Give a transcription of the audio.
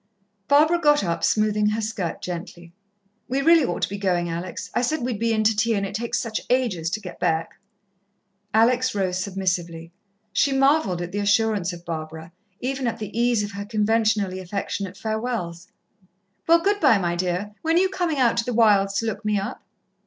Barbara got up, smoothing her skirt gently. "We really ought to be going, Alex. I said we'd be in to tea, and it takes such ages to get back." Alex rose submissively. She marvelled at the assurance of Barbara, even at the ease of her conventionally affectionate farewells. "Well, good bye, my dear. When are you coming out to the wilds to look me up?"